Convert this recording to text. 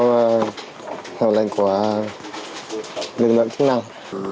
theo lệnh của lực lượng chức năng